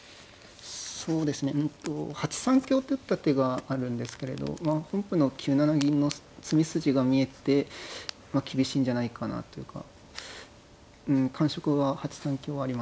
そうですね８三香って打った手があるんですけれど本譜の９七銀の詰み筋が見えて厳しいんじゃないかなというかうん感触は８三香はありましたね。